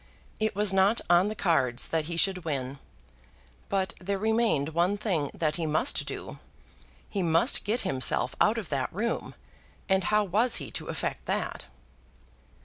It was not on the cards that he should win. But there remained one thing that he must do. He must get himself out of that room; and how was he to effect that?